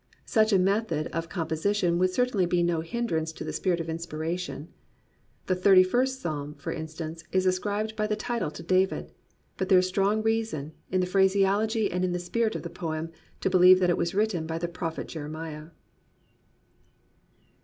Such a method of com position would certainly be no hindrance to the spirit of inspiration. The Thirty first Psalm, for instance, is ascribed by the title to David. But there is strong reason, in the phraseology and in the spirit of the poem, to believe that it was written by the Prophet Jeremiah.